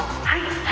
はい。